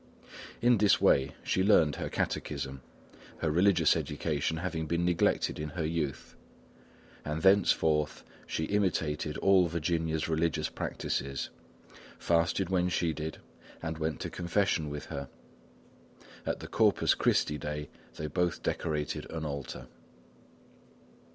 In this way, she learned her catechism, her religious education having been neglected in her youth; and thenceforth she imitated all Virginia's religious practises, fasted when she did, and went to confession with her. At the Corpus Christi Day they both decorated an altar.